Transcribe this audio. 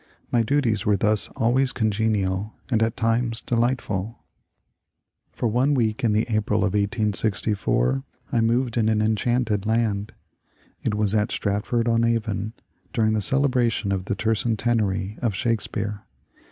My duties were thus always congenial, and at times delightful. For one week in the April of 1864 I moved in an en chanted land. It was at Stratford on Avon, during the cele bration of the tercentenary of Shakespeare.